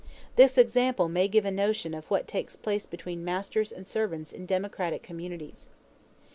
This example may give a notion of what takes place between masters and servants in democratic communities.